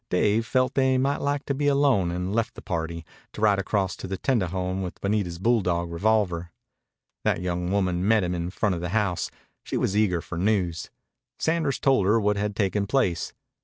Dave felt they might like to be alone and he left the party, to ride across to the tendejon with Bonita's bulldog revolver. That young woman met him in front of the house. She was eager for news. Sanders told her what had taken place.